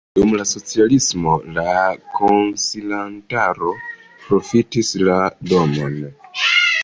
Dum la socialismo la konsilantaro profitis la domon.